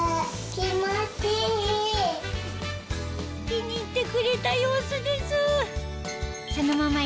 気に入ってくれた様子です